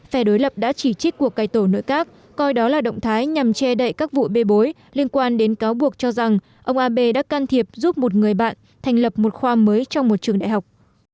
phe đối lập đã chỉ trích cuộc cải tổ nội các coi đó là động thái nhằm che đậy các vụ bê bối liên quan đến cáo buộc cho rằng ông abe đã can thiệp giúp một người bạn thành lập một khoa mới trong một trường đại học